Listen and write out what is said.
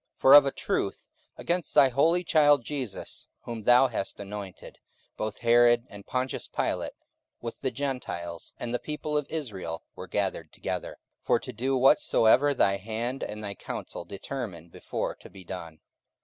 44:004:027 For of a truth against thy holy child Jesus, whom thou hast anointed, both Herod, and Pontius Pilate, with the Gentiles, and the people of Israel, were gathered together, 44:004:028 For to do whatsoever thy hand and thy counsel determined before to be done.